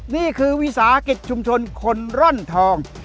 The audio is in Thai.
นี่คือวิสาหกิจชุมชนคนร่อนทอง